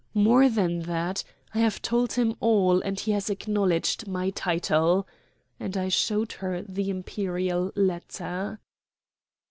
"More than that: I have told him all, and he has acknowledged my title," and I showed her the Imperial letter.